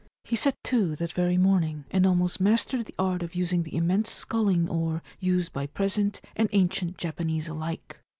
He set to that very morning, and almost mastered the art of using the immense sculling oar used by present and ancient Japanese alike.